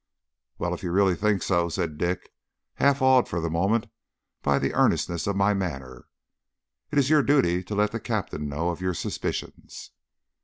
"Well, if you really think so," said Dick, half awed for the moment by the earnestness of my manner, "it is your duty to let the Captain know of your suspicions."